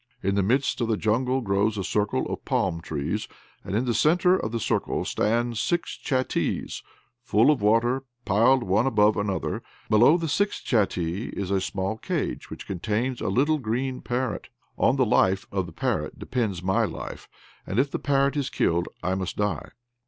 In the midst of the jungle grows a circle of palm trees, and in the centre of the circle stand six chattees full of water, piled one above another: below the sixth chattee is a small cage which contains a little green parrot; on the life of the parrot depends my life; and if the parrot is killed I must die.